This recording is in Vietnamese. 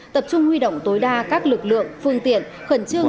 tập trung huy động tối đa các lực lượng phương tiện khẩn trương